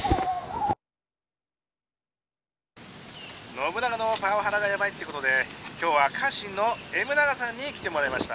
「信長のパワハラがやばいってことで今日は家臣のＭ永さんに来てもらいました」。